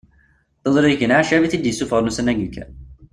D tiẓrigin Ɛeccab i t-id-isuffɣen ussan-agi kan